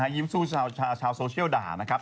ยิ้มสู้ชาวโซเชียลด่านะครับ